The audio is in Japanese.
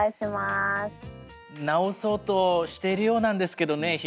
直そうとしているようなんですけどね。